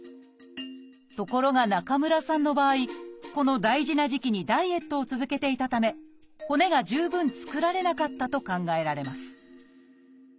ところが中村さんの場合この大事な時期にダイエットを続けていたため骨が十分作られなかったと考えられます